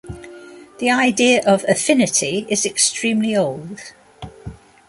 The idea of "affinity" is extremely old.